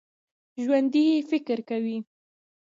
ژوندي فکر کوي